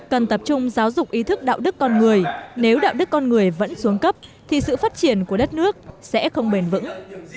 cần tập trung giáo dục ý thức đạo đức con người nếu đạo đức con người vẫn xuống cấp thì sự phát triển của đất nước sẽ không bền vững